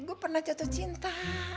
gue pernah jatuh cinta